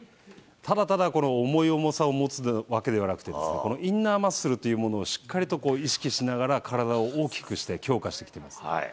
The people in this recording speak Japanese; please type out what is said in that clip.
ただただこの重い重さを持つわけではなくて、インナーマッスルというものをしっかりと意識しながら体を大きくして、強化してきています。